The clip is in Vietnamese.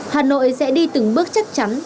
hà nội sẽ đi từng bước chắc chắn